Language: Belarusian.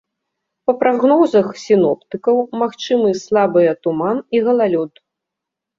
Па прагнозах сіноптыкаў, магчымы слабыя туман і галалёд.